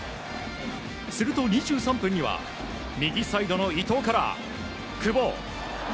すると２３分には右サイドの伊藤から久保。